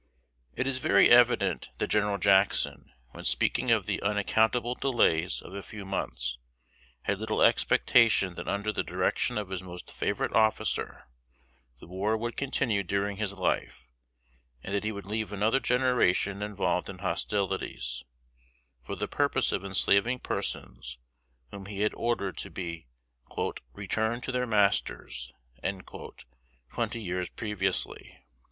It is very evident that General Jackson, when speaking of the "unaccountable delays" of a few months, had little expectation that under the direction of his most favorite officer the war would continue during his life, and that he would leave another generation involved in hostilities, for the purpose of enslaving persons whom he had ordered to be "returned to their masters" twenty years previously.